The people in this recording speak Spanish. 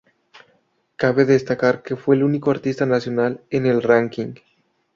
Cabe destacar que fue el único artista nacional en el ranking.